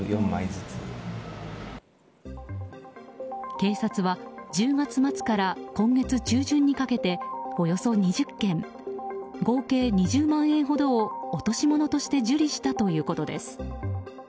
警察は１０月末から今月中旬にかけておよそ２０件合計２０万円ほどを落とし物として受理したということです。